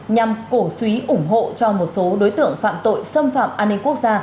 nhằm cổ suý ủng hộ cho một số đối tượng phạm tội xâm phạm an ninh quốc gia